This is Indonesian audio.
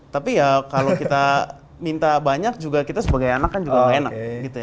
tapi ya kalau kita minta banyak juga kita sebagai anak kan juga enak gitu ya